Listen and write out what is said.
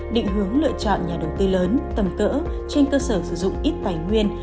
định hướng lựa chọn nhà đầu tư lớn tầm cỡ trên cơ sở sử dụng ít tài nguyên